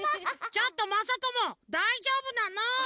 ちょっとまさともだいじょうぶなの？